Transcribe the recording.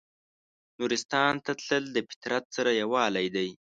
نورستان ته تلل د فطرت سره یووالی دی.